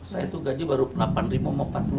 saya itu gaji baru rp delapan sama rp empat puluh